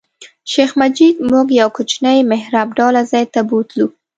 شیخ مجید موږ یو کوچني محراب ډوله ځای ته بوتلو.